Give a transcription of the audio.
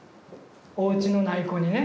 おうちのない子にね